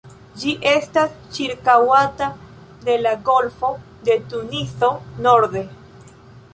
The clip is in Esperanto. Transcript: Ĝi estas ĉirkaŭata de la Golfo de Tunizo norde.